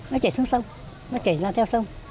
nó chảy xuống sông nó chảy ra theo sông